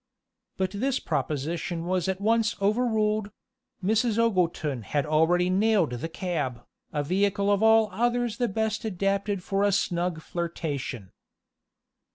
But this proposition was at once over ruled; Mrs. Ogleton had already nailed the cab, a vehicle of all others the best adapted for a snug flirtation.